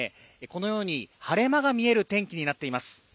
このように晴れ間が見える天気になっています